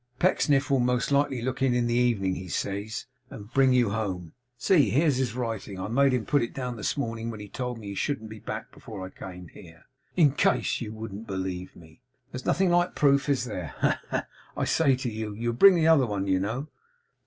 Pecksniff will most likely look in in the evening, he says, and bring you home. See, here's his writing; I made him put it down this morning when he told me he shouldn't be back before I came here; in case you wouldn't believe me. There's nothing like proof, is there? Ha, ha! I say you'll bring the other one, you know!